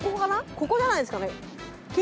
ここじゃないですかね。